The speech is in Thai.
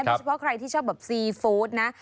ไม่ชะเฉพาะใครที่ชอบว่าซีฟู้ดนะ